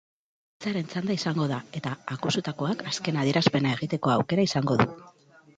Defentsaren txanda izango da, eta akusatuak azken adierazpena egiteko aukera izango du.